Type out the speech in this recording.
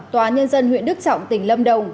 tòa nhân dân huyện đức trọng tỉnh lâm đồng